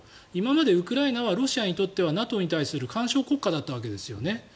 今までウクライナはロシアにとってはＮＡＴＯに対する緩衝国家だったわけですよね。